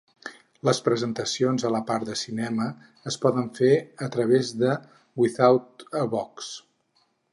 Les presentacions a la part de cinema es poden fer a través de Withoutabox.